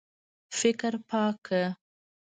فکر پاک کړه.